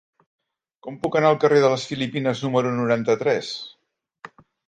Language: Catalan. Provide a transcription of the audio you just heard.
Com puc anar al carrer de les Filipines número noranta-tres?